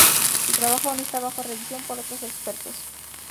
Su trabajo aún está bajo revisión por otros expertos.